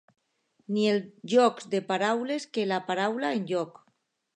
Ni els jocs de paraules que la paraula en joc.